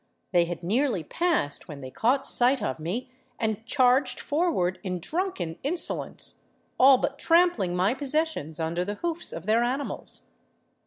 They had nearly passed when they caught sight of me, and charged forward in drunken insolence, all but trampling my possessions under the hoofs of their animals.